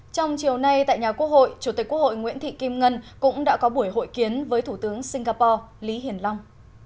trong chiều nay tại nhà quốc hội chủ tịch quốc hội nguyễn thị kim ngân cũng đã có buổi hội kiến với thủ tướng singapore lý hiển long